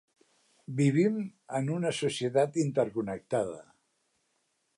Vivim en una societat interconnectada.